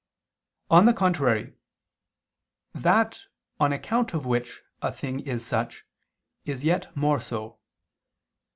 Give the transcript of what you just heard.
On the contrary, That on account of which a thing is such, is yet more so.